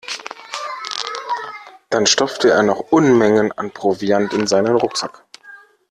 Dann stopfte er noch Unmengen an Proviant in seinen Rucksack.